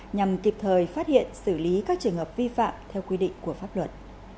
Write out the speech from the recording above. nhằm kịp thời phát hiện xử lý các trường hợp vi phạm theo quy định của pháp luật